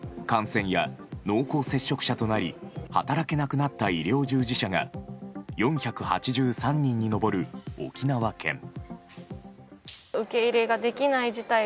感染や濃厚接触者となり働けなくなった医療従事者が４８３人に上る沖縄県。